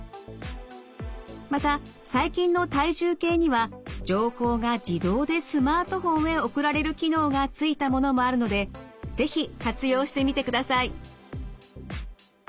また最近の体重計には情報が自動でスマートフォンへ送られる機能がついたものもあるので是非活用してみてください。